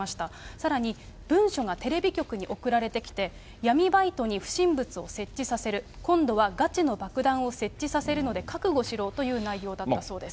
さらに、文書がテレビ局に送られてきて、闇バイトに不審物を設置させる、今度はガチの爆弾を設置させるので、覚悟しろという内容だったそうです。